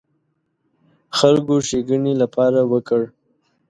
خلکو ښېګڼې لپاره وکړ.